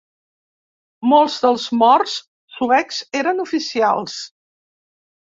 Molts dels morts suecs eren oficials.